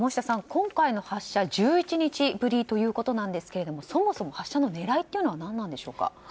今回の発射は１１日ぶりということですがそもそも発射の狙いは何なんでしょうか。